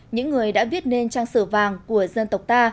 những người đã viết nên trang sử vàng của dân tộc ta